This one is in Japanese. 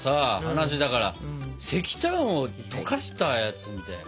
話だから石炭を溶かしたやつみたいな。